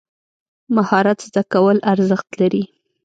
مهارت زده کول ارزښت لري.